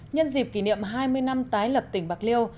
nhân dịp kỷ niệm hai mươi năm tái lập tỉnh bạc liêu